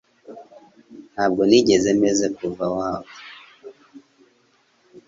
Ntabwo nigeze meze kuva wava